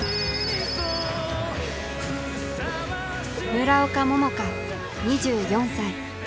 村岡桃佳２４歳。